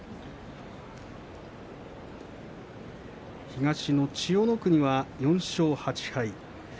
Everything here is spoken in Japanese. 東の千代の国は４勝８敗